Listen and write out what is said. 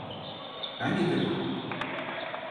Ben getirdim.